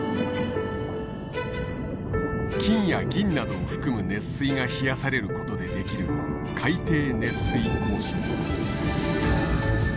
金や銀などを含む熱水が冷やされることで出来る海底熱水鉱床。